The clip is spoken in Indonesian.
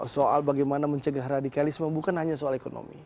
soal bagaimana mencegah radikalisme bukan hanya soal ekonomi